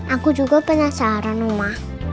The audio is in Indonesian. aku juga penasaran oma